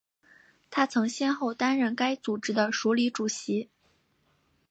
她曾先后担任该组织的署理主席。